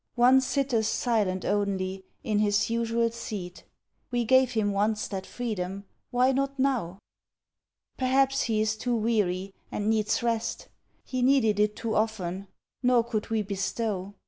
One sitteth silent only, in his usual seat; We gave him once that freedom. Why not now? Perhaps he is too weary, and needs rest; He needed it too often, nor could we Bestow.